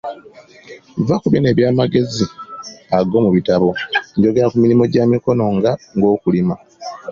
Vva ku bino eby'amagezi ag'omubitabo, njogera ku mirimu gya mikono nga okulima.